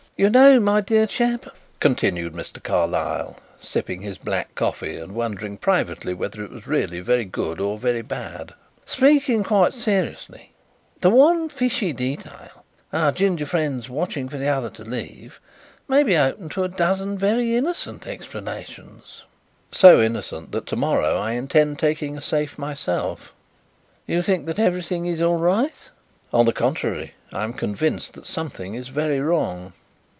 "You know, my dear chap," continued Mr. Carlyle, sipping his black coffee and wondering privately whether it was really very good or very bad, "speaking quite seriously, the one fishy detail our ginger friend's watching for the other to leave may be open to a dozen very innocent explanations." "So innocent that to morrow I intend taking a safe myself." "You think that everything is all right?" "On the contrary, I am convinced that something is very wrong."